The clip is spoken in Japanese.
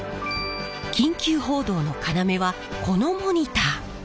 緊急報道の要はこのモニター。